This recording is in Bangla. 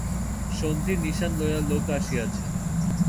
সন্ধির নিশান লইয়া লোক আসিয়াছে।